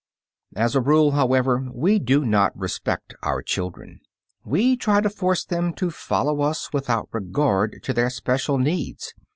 As a rule, however, we do not respect our children. We try to force them to follow us without regard to their special needs.